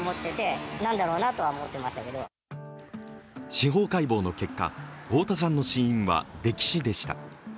司法解剖の結果、太田さんの死因は溺死でした。